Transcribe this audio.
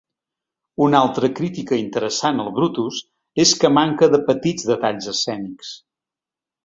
Una altra crítica interessant al Brutus és que manca de petits detalls escènics.